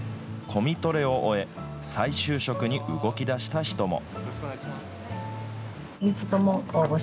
コミトレを終え、再就職に動きだした人も。